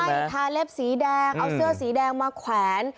ใช่ทาเล็บสีแดงเอาเสื้อสีแดงมาแขวน